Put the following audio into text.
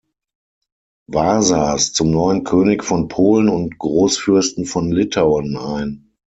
Wasas zum neuen König von Polen und Großfürsten von Litauen ein.